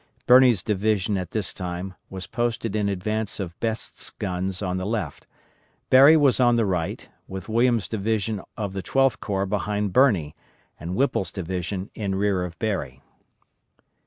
Birney's division at this time was posted in advance of Best's guns on the left, Berry was on the right, with Williams' division of the Twelfth Corps behind Birney, and Whipple's division in rear of Berry.